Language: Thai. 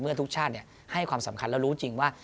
ทุกชาติให้ความสำคัญแล้วรู้จริงว่า